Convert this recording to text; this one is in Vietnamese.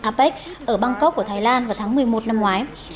apec ở bangkok của thái lan vào tháng một mươi một năm ngoái